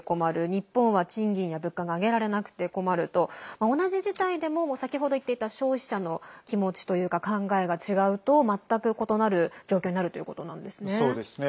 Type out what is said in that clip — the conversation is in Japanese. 日本は賃金や物価が上げられなくて困ると同じ事態でも先程、言っていた消費者の気持ちというか考えが違うと全く異なる状況になるということなんですね。